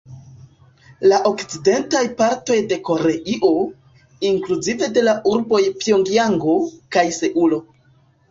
La okcidentaj partoj de Koreio, inkluzive de la urboj Pjongjango kaj Seulo.